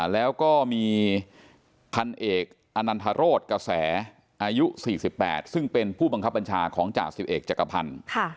แล้วก็พันเอกอนันนทารสกระแสอายุ๔๘ซึ่งเป็นผู้บังคับ๑๘๐๐ของจาก๑๑จักรพันธ์